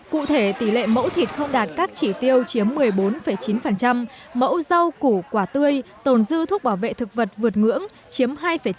cụ thể tỷ lệ mẫu thịt không đạt các chỉ tiêu chiếm một mươi bốn chín mẫu rau củ quả tươi tồn dư thuốc bảo vệ thực vật vượt ngưỡng chiếm hai chín